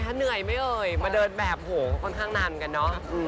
ค่ะเหนื่อยไหมค่ะมาเดินแบบก็ค่อนข้างนานกันเนอะ